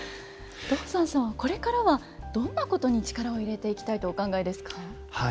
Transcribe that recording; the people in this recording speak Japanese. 道山さんはこれからはどんなことに力を入れていきたいとお考えですか？